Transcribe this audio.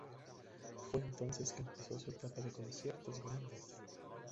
Fue entonces que empezó su etapa de conciertos grandes.